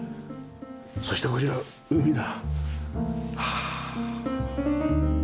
そしてこちら海だ。はあ。